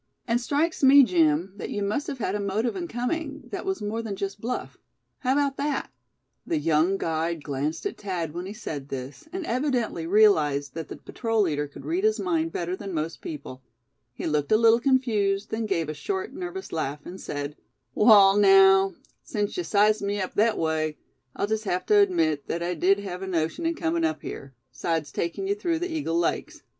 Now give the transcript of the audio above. And strikes me, Jim, that you must have had a motive in coming, that was more than just bluff. How about that?" The young guide glanced at Thad when he said this, and evidently realized that the patrol leader could read his mind better than most people; he looked a little confused; then gave a short nervous laugh, and said: "Wall, naow, sense yuh sized me up thet away, I'll jest hev tuh admit thet I did hev a notion in comin' up here, 'sides takin' ye through the Eagle Lakes.